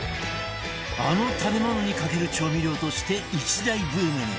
あの食べ物にかける調味料として一大ブームに！